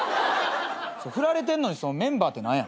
フラれてんのにメンバーって何や。